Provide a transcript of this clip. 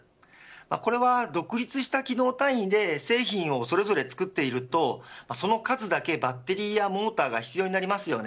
これは独立した機能単位で製品をそれぞれ作っているとその数だけバッテリーやモーターが必要になりますよね。